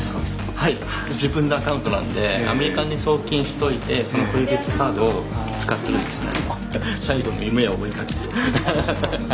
はい自分のアカウントなんでアメリカに送金しといてそのクレジットカードを使ってるんですね。